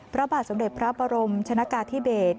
พระบาทสมเด็จพระบรมชนะกาธิเบศ